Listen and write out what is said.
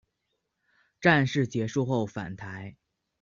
战事结束后返台。